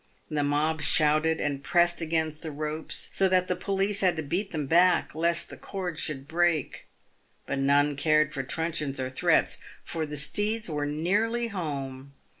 The mob shouted and pressed against the ropes, so that the police had to beat them back, lest the cord should break. But none cared for truncheons or threats, for the steeds were nearly home.